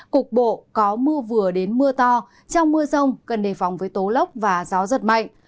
cục bộ có mưa vừa đến mưa to trong mưa rông cần đề phòng với tố lốc và gió giật mạnh